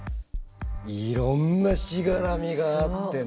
いろんなしがらみがあってね。